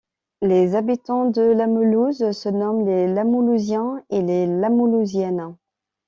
Les habitants de Lamelouze se nomment les Lamelouziens et les Lamelouziennes.